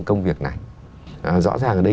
công việc này rõ ràng ở đây